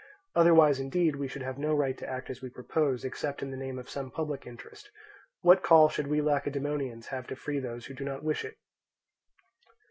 Otherwise indeed we should have no right to act as we propose; except in the name of some public interest, what call should we Lacedaemonians have to free those who do not wish it?